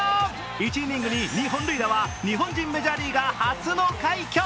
１イニングに２本塁打は日本人メジャーリーガー初の快挙。